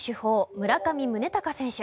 村上宗隆選手。